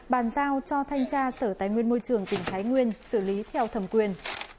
bàn giao cho thanh tra sở tài nguyên môi trường tỉnh thái nguyên xử lý theo thẩm quyền